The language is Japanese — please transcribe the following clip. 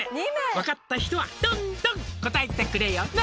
「分かった人はどんどん答えてくれよな」